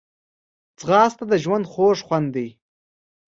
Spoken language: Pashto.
ځغاسته د ژوند خوږ خوند لري